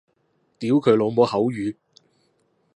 屌佢老母口語